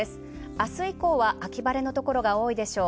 明日以降は秋晴れのところが多いでしょう。